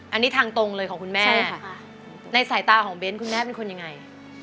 อันนี้ทางตรงเลยของคุณแม่ในสายตาของเบ้นคุณแม่เป็นคนยังไง